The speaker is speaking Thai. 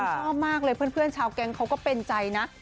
ชอบมากเลยเพื่อนชาวแก๊งเขาก็เป็นใจนะ